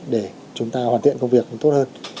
để chúng ta hoàn thiện công việc tốt hơn